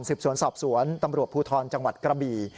สวนสอบสวนตำรวจภูทรจังหวัดกระบี่